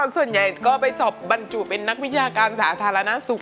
ส่วนใหญ่ก็ไปสอบบรรจุเป็นนักวิชาการสาธารณสุข